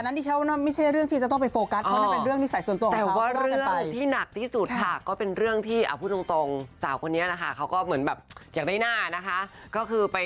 คือบันดาวเน็ตไอดอลต่างเนี่ยก็รวมตัวกันแฉน